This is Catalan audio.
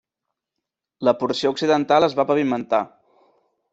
La porció occidental es va pavimentar.